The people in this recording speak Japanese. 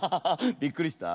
びっくりした？